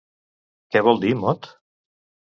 Què vol dir Mot?